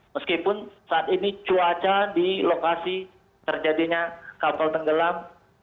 meskipun saat ini cuaca di lokasi terjadinya kapal tenggelam